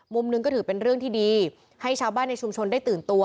มุมหนึ่งก็ถือเป็นเรื่องที่ดีให้ชาวบ้านในชุมชนได้ตื่นตัว